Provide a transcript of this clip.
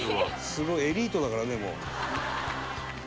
「すごいエリートだからねもう」